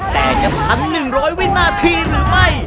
แต่จะพันหนึ่งร้อยวินาทีหรือไม่